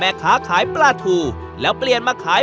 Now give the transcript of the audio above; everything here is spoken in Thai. อันนี้คือวันแรกวันแรกอาห์